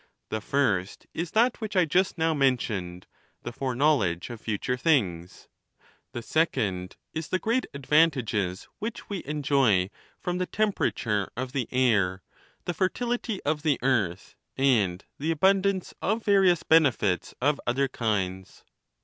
The first is that which I just now mentioned — the foreknowledge of future things. The secoijd is the great advantages which we enjoy from the temperature of the air, tlae fertility of the earth, and the abundance of various benefits of other kinds.